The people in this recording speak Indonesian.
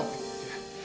persetan sama opi